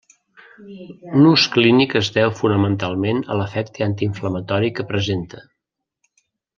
L'ús clínic es deu fonamentalment a l'efecte antiinflamatori que presenta.